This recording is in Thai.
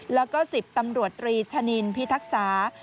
แล้วก็๑๐ตำรวจตรีชะนินพิทักษา